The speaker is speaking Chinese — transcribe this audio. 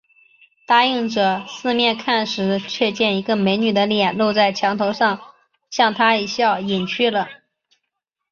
答应着，四面看时，却见一个美女的脸露在墙头上，向他一笑，隐去了